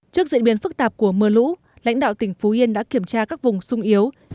trước diễn biến phức tạp của mưa lũ lãnh đạo tỉnh phú yên đã kiểm tra các vùng sung yếu